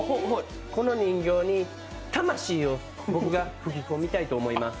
この人形に、魂を僕が吹き込みたいと思います。